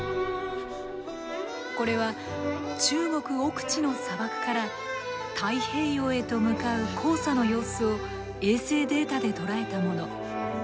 これは中国奥地の砂漠から太平洋へと向かう黄砂の様子を衛星データで捉えたもの。